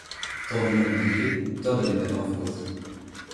Tant d'immobilités, tant de métamorphoses